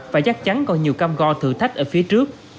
và chắc chắn còn nhiều cam go thử thách ở phía trước